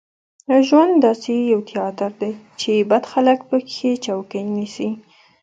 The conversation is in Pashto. ژوند داسې یو تیاتر دی چې بد خلک په کې ښې چوکۍ نیسي.